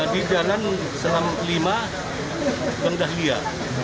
di jalan selam v bendah liat